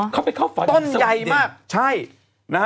เข้าไปเข้าฝั่งที่สวีเดน